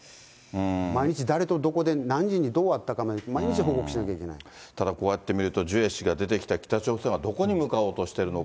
毎日誰とどこで何時にどう会ったかまで、毎日報告しなきゃいけなただこうやって見ると、ジュエ氏が出てきた北朝鮮はどこに向かおうとしているのか。